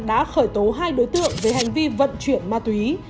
đã khởi tố hai đối tượng về hành vi vận chuyển ma túy